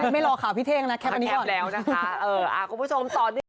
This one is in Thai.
ไม่รอข่าวพี่เท่งนะแคปอันนี้ก่อน